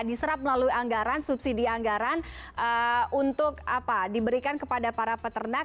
diserap melalui anggaran subsidi anggaran untuk diberikan kepada para peternak